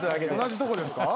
同じとこですか？